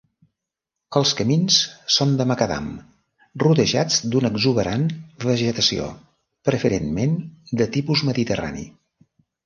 Els camins són de macadam, rodejats d'una exuberant vegetació, preferentment de tipus mediterrani.